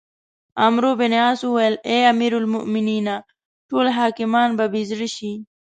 عمروبن عاص وویل: اې امیرالمؤمنینه! ټول حاکمان به بې زړه شي.